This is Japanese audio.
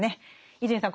伊集院さん